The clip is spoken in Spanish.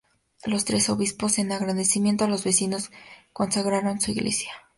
Los tres obispos, en agradecimiento a los vecinos, consagraron su iglesia.